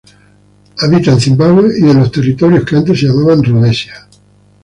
Habita en Zimbabue y en los territorios que antes se llamaban Rodesia.